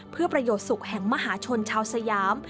เพื่อประโยชน์สุขแห่งมหาชนชาวสยาม